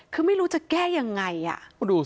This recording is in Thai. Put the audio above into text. คือไม่รู้จะแก้ยังไงอ่ะ